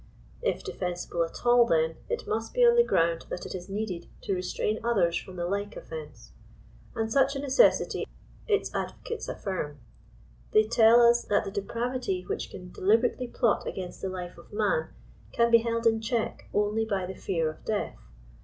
If defensible at all, tlien. it must be on the ground that it is needed to restrain others from the like offense. Ami such a necessity its advocates affirm. They tell 34 tts that the deprarity which can deliberately plot against the life of man, can be held in check only by the fear of death.